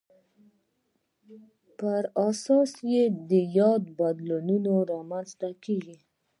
پر اساس یې یاد بدلونونه رامنځته کېږي.